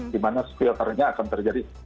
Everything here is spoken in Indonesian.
di mana sfilternya akan terjadi